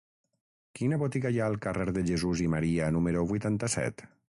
Quina botiga hi ha al carrer de Jesús i Maria número vuitanta-set?